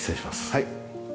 はい。